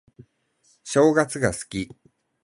正月が好き